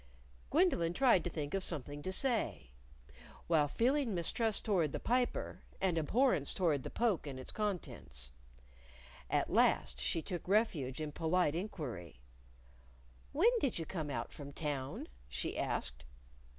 Gwendolyn tried to think of something to say while feeling mistrust toward the Piper, and abhorrence toward the poke and its contents. At last she took refuge in polite inquiry. "When did you come out from town?" she asked.